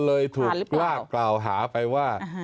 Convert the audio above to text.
เลยถูกลากกล่าวหาไปว่า